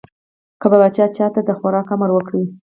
که به پاچا چا ته د خوراک امر وکړ.